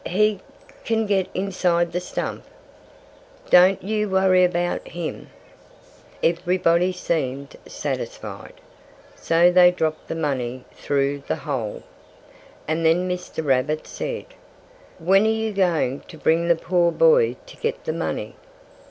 "He can get inside the stump. Don't you worry about him!" Everybody seemed satisfied. So they dropped the money through the hole. And then Mr. Rabbit said: "When are you going to bring the poor boy to get the money?"